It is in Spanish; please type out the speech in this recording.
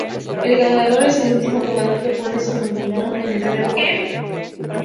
El ganador es el último jugador que pone un dominó en el tablero.